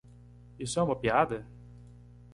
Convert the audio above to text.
Isso é uma piada?